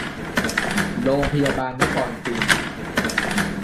โรงพยาบาลนครพิงค์